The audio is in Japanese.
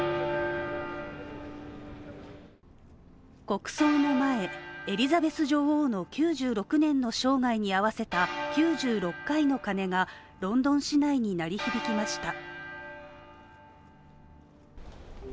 国葬の前、エリザベス女王の９６年の生涯に合わせた９６回の鐘がロンドン市内に鳴り響きました。